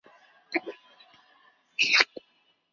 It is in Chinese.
本洞位于小公洞南部。